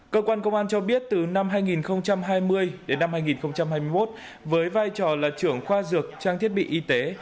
cơ quan công an cho biết từ năm hai nghìn hai mươi đến năm hai nghìn hai mươi một với vai trò là trưởng khoa dược trang thiết bị y tế